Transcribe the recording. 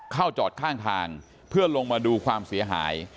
จอดข้างทางเพื่อลงมาดูความเสียหาย